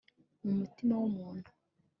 mu mutima w umuntu